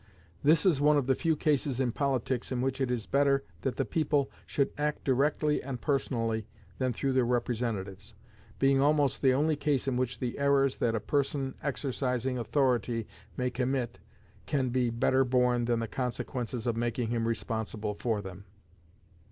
This is one of the few cases in politics in which it is better that the people should act directly and personally than through their representatives, being almost the only case in which the errors that a person exercising authority may commit can be better borne than the consequences of making him responsible for them.